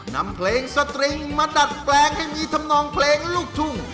นำเพลงสตริงมาดัดแปลงให้มีทำนองเพลงลูกทุ่ง